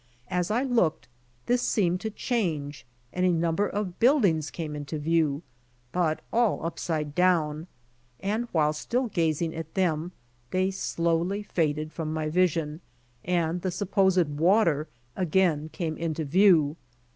As I looked, this seemed to change, and a number of buildings cam e into view, but all upside down, and while still gazing at them they slowly faded from my vision, and the supposed water again came into view.